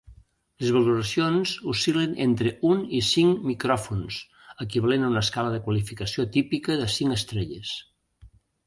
Les valoracions oscil·len entre un i cinc micròfons, equivalent a una escala de qualificació típica de cinc estrelles.